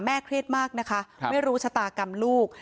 เครียดมากนะคะไม่รู้ชะตากรรมลูก